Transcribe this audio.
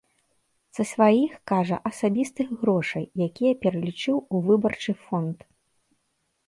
Са сваіх, кажа, асабістых грошай, якія пералічыў у выбарчы фонд.